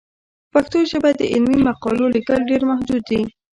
په پښتو ژبه د علمي مقالو لیکل ډېر محدود دي.